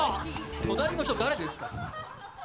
隣の人、誰ですか？